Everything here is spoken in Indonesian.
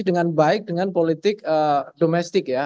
dengan baik dengan politik domestik ya